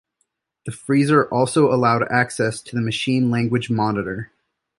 The freezer also allowed access to the machine-language monitor.